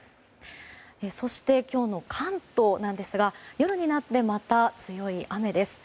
そして今日の関東なんですが夜になって、また強い雨です。